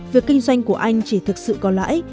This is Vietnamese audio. việc kinh doanh của anh chỉ thực sự có lãi